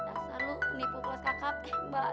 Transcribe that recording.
asal lo penipu kelas kakak mbak